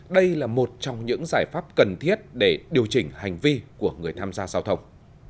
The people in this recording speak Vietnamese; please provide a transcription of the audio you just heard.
đây là một trong những giải pháp cần thiết để điều chỉnh hành vi của người tham gia giao thông